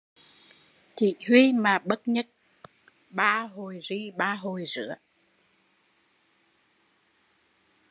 Chỉ huy mà bất nhứt, ba hồi ri ba hồi rứa